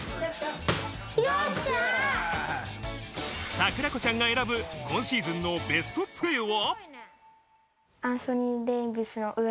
桜子ちゃんが選ぶ今シーズンのベストプレーは？